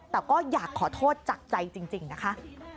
แต่ก็อยากขอโทษจากใจจริงนะคะ